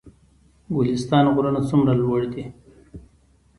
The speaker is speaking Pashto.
ګلستان غرونه څومره لوړ دي؟